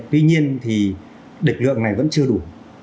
tuy nhiên thì lực lượng này vẫn chưa đủ